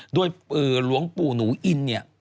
โดยหลวงปู่หนูอินเนี่ย